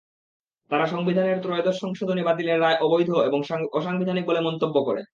তারা সংবিধানের ত্রয়োদশ সংশোধনী বাতিলের রায় অবৈধ এবং অসাংবিধানিক বলে মন্তব্য করে।